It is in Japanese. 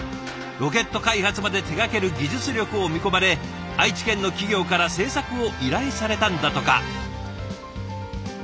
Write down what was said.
ロケット開発まで手がける技術力を見込まれ愛知県の企業から制作を依頼されたんだとか。